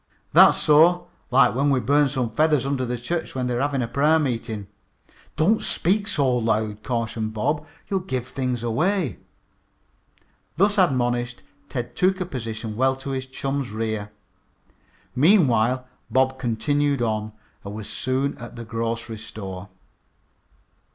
"That's so. Like when we burned some feathers under the church when they were having prayer meeting." "Don't speak so loud," cautioned Bob. "You'll give things away." Thus admonished, Ted took a position well to his chum's rear. Meanwhile Bob continued on and was soon at the grocery store.